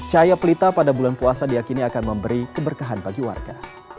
cahaya pelita pada bulan puasa diakini akan memberi keberkahan bagi warga